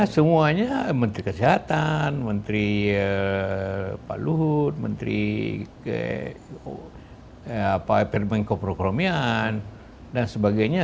semuanya menteri kesehatan menteri pak luhut menteri permenkoprokoromian dan sebagainya